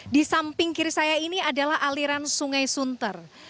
di samping kiri saya ini adalah aliran sungai sunter